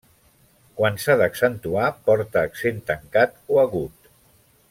Quan s'ha d'accentuar porta accent tancat o agut.